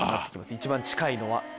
一番近いのは。